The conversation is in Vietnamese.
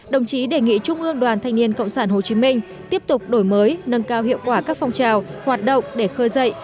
đồng chí đề nghị trung ương đoàn thanh niên cộng sản hồ chí minh tiếp tục đổi mới nâng cao hiệu quả các phong trào hoạt động để khơi dậy